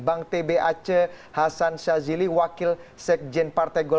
bang t b aceh hasan shazili wakil sekjen partai golkar